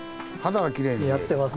似合ってます。